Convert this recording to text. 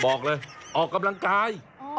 บอกเลยออกกำลังกาย